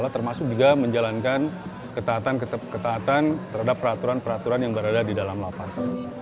termasuk juga menjalankan ketahatan ketaatan terhadap peraturan peraturan yang berada di dalam lapas